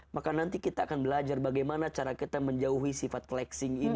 maka nanti kita akan belajar bagaimana cara kita menjauhkan diri kita dari allah subhanahu wa ta'ala